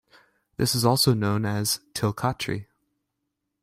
This is also known as "Tilkatri".